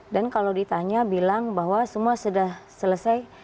dan kalau ditanya bilang bahwa semua sudah selesai